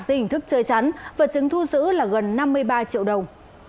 dưới hình thức chơi chắn vật chứng thu giữ là gần năm mươi ba triệu đồng